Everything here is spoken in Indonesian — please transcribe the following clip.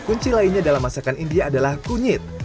kunci lainnya dalam masakan india adalah kunyit